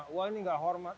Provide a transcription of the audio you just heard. wah ini tidak hormat